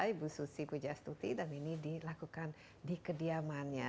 ibu susi pujastuti dan ini dilakukan di kediamannya